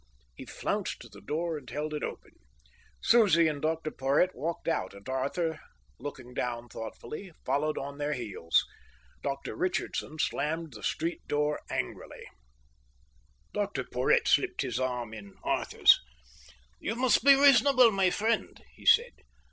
He flounced to the door and held it open. Susie and Dr Porhoët walked out; and Arthur, looking down thoughtfully, followed on their heels. Dr Richardson slammed the street door angrily. Dr Porhoët slipped his arm in Arthur's. "You must be reasonable, my friend," he said.